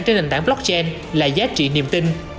trên nền tảng blockchain là giá trị niềm tin